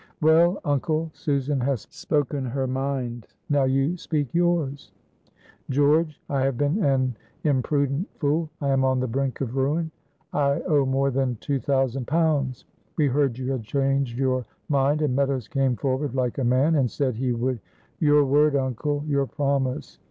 "Well, uncle, Susan has spoken her mind, now you speak yours." "George, I have been an imprudent fool, I am on the brink of ruin. I owe more than two thousand pounds. We heard you had changed your mind, and Meadows came forward like a man, and said he would " "Your word, uncle, your promise.